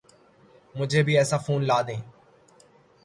مجھے بھی ایسا فون لا دیں